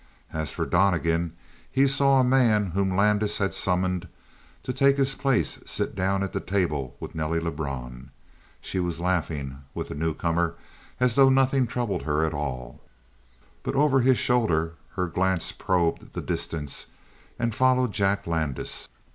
As for Donnegan, he saw a man whom Landis had summoned to take his place sit down at the table with Nelly Lebrun. She was laughing with the newcomer as though nothing troubled her at all, but over his shoulder her glance probed the distance and followed Jack Landis.